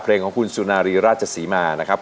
เพลงของคุณสุนารีราชศรีมานะครับ